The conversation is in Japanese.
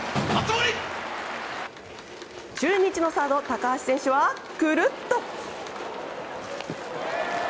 中日のサード、高橋選手はくるっと！